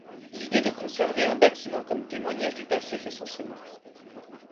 L'idée de conserver un bâtiment comme témoignage du passé fait son chemin.